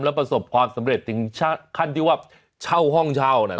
แล้วประสบความสำเร็จถึงขั้นที่ว่าเช่าห้องเช่าน่ะ